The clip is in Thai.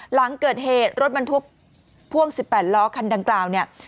หลังเกิดเหตุรถบรรทุกพ่วง๑๘ล้อคันดังกล่าวเนี่ย